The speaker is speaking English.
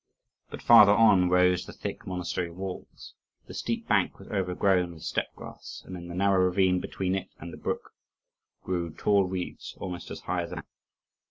But farther on rose the thick monastery walls. The steep bank was overgrown with steppe grass, and in the narrow ravine between it and the brook grew tall reeds almost as high as a man.